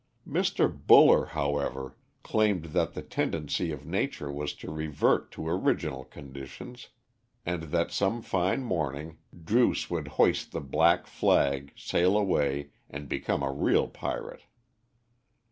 Mr. Buller, however, claimed that the tendency of nature was to revert to original conditions, and that some fine morning Druce would hoist the black flag, sail away, and become a real pirate.